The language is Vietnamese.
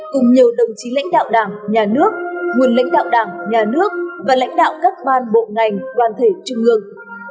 cùng nhiều đồng chí lãnh đạo đảng nhà nước nguồn lãnh đạo đảng nhà nước và lãnh đạo các ban bộ ngành đoàn thể trung ương